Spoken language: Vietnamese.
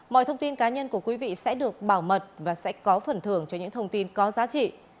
mọi thông tin cá nhân của quý vị sẽ được bảo mật và sẽ có phần thưởng cho những thông tin có giá trị